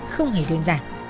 không hề đơn giản